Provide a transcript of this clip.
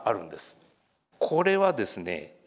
これはですね